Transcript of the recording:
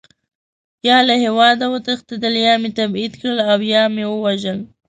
یا له هېواده وتښتېدل، یا مې تبعید کړل او یا مې ووژل.